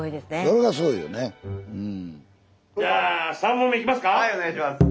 はいお願いします。